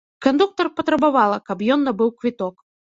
Кандуктар патрабавала, каб ён набыў квіток.